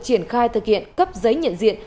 triển khai thực hiện cấp giấy nhận diện